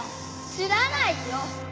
知らないよ！